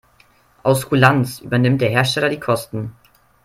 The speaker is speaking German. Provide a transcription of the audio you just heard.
Aus Kulanz übernimmt der Hersteller die Kosten.